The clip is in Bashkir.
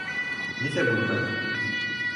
Нисә бүлмә?